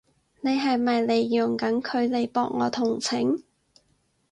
你係咪利用緊佢嚟博我同情？